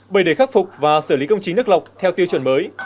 bởi để khắc phục và xử lý công trình nước lọc theo tiêu chuẩn mới